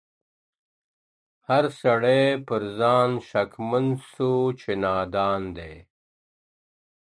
هر سړى پر ځان شكمن سو چي نادان دئ.